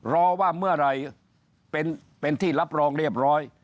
รอว่าเมื่อไหร่เป็นที่รับรองเรียบร้อย